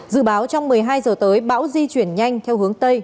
dự báo trong một mươi hai giờ tới bão di chuyển nhanh theo hướng tây